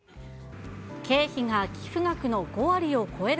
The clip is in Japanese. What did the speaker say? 経費が寄付額の５割を超える